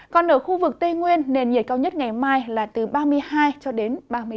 còn ở khu vực tây nguyên nền nhiệt cao nhất ngày mai là từ ba mươi hai ba mươi bốn độ